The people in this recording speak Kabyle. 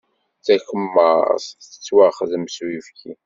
Takemmart tettwaxdam s uyefki.